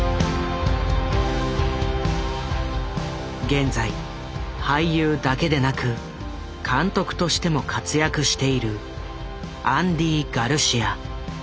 現在俳優だけでなく監督としても活躍しているアンディ・ガルシア。